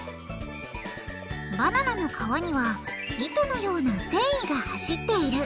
バナナの皮には糸のような繊維が走っている。